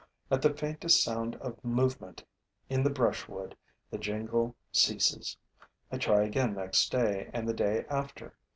At the faintest sound of movement in the brushwood, the jingle ceases. I try again next day and the day after.